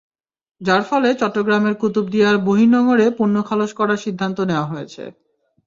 যার ফলে চট্টগ্রামের কুতুবদিয়ার বহির্নোঙরে পণ্য খালাস করার সিদ্ধান্ত নেওয়া হয়েছে।